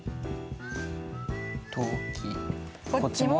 こっちも。